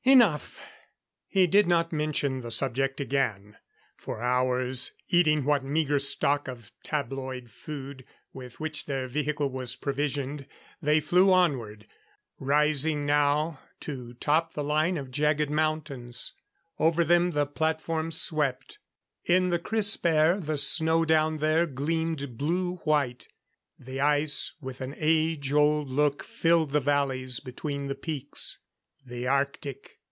Enough!" He did not mention the subject again. For hours eating what meager stock of tabloid food with which their vehicle was provisioned they flew onward. Rising now to top the line of jagged mountains. Over them the platform swept. In the crisp air the snow down there gleamed blue white; the ice with an age old look filled the valleys between the peaks. The arctic!